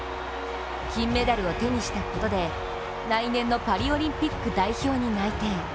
金メダルを手にしたことで、来年のパリオリンピック内定。